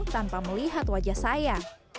tanpa melihat wajah saya